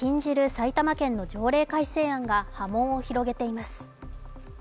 埼玉県の条例改正案が波紋を広げています。